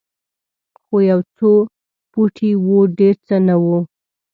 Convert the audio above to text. خو یو څو پوټي وو ډېر څه نه وو.